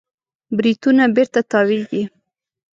بریتونونه بېرته تاوېږي.